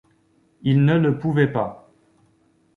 Il ne le pouvait pas.